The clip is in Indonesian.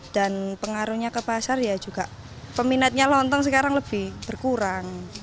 dan pengaruhnya ke pasar ya juga peminatnya lontong sekarang lebih berkurang